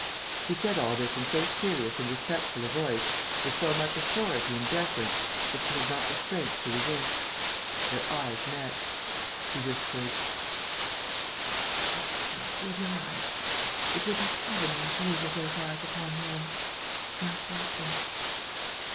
He said all this in so serious and respectful a voice, with so much authority and deference, that she had not the strength to resist. Their eyes met. He whispered: "The exquisite purity of your eyes! It would be heavenly to live with those eyes upon one. Now close them...."